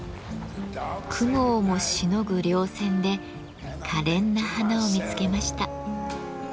雲をもしのぐ稜線でかれんな花を見つけました。